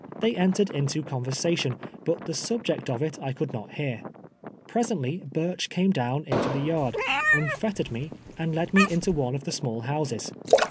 They entei ed into ci>nversatio;i, but the subject of it I could not heai*. J^resently Ihirch came down into the yard, unfettered nie, and Km! uie into one of the small houses.